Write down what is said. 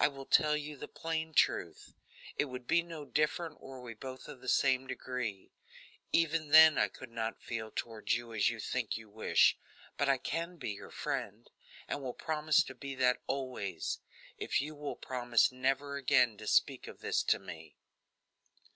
I will tell you the plain truth; it would be no different were we both of the same degree; even then I could not feel toward you as you think you wish, but I can be your friend, and will promise to be that always, if you will promise never again to speak of this to me."